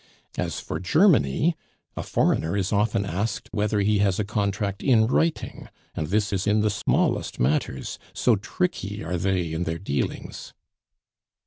As for Germany, a foreigner is often asked whether he has a contract in writing, and this is in the smallest matters, so tricky are they in their dealings.